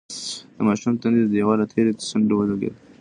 د ماشوم تندی د دېوال له تېرې څنډې سره ولگېد.